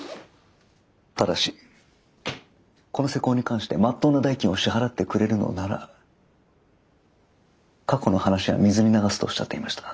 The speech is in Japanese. ただしこの施工に関してまっとうな代金を支払ってくれるのなら過去の話は水に流すとおっしゃっていました。